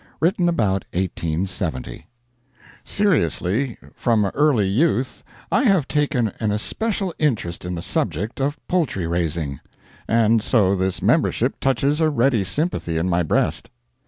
Written about 1870.] Seriously, from early youth I have taken an especial interest in the subject of poultry raising, and so this membership touches a ready sympathy in my breast.